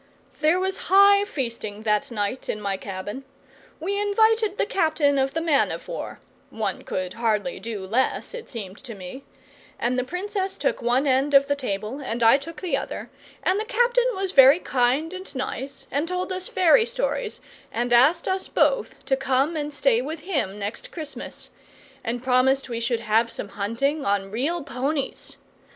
There was high feasting that night in my cabin. We invited the captain of the man of war one could hardly do less, it seemed to me and the Princess took one end of the table and I took the other, and the captain was very kind and nice, and told us fairy stories, and asked us both to come and stay with him next Christmas, and promised we should have some hunting, on real ponies.